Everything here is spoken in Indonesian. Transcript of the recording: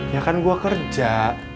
ya kan gua kerja